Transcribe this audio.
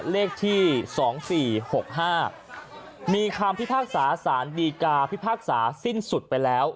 เลขที่๒๔๖๕มีคำพิพากษาสารดีกาพิพากษาสิ้นสุดไปแล้ว